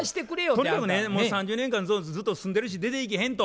とにかくねもう３０年間ずっと住んでるし出ていけへんと。